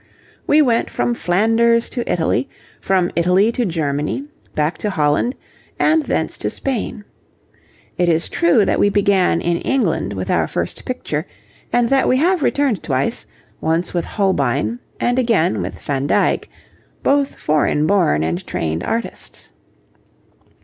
We went from Flanders to Italy, from Italy to Germany, back to Holland, and thence to Spain. It is true that we began in England with our first picture, and that we have returned twice, once with Holbein, and again with Van Dyck, both foreign born and trained artists.